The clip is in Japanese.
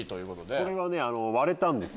これはね割れたんです